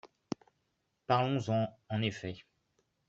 Parlons-en, en effet